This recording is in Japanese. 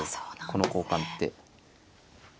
この交換って。